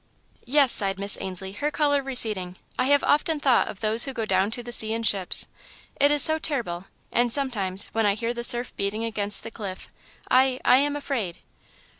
"Yes," sighed Miss Ainslie, her colour receding, "I have often thought of 'those who go down to the sea in ships.' It is so terrible, and sometimes, when I hear the surf beating against the cliff, I I am afraid."